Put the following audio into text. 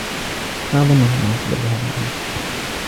لا أظنه مناسبا لهذا العمل.